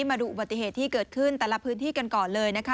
มาดูอุบัติเหตุที่เกิดขึ้นแต่ละพื้นที่กันก่อนเลยนะคะ